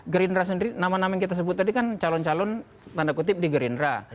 gerindra sendiri nama nama yang kita sebut tadi kan calon calon tanda kutip di gerindra